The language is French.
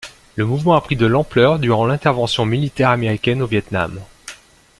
Le mouvement a pris de l'ampleur durant l'intervention militaire américaine au Viêt Nam.